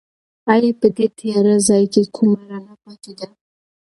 ایا په دې تیاره ځای کې کومه رڼا پاتې ده؟